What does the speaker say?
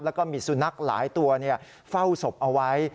แล้วก็มีสุนัขหลายตัวเฝ้าศพเอาไว้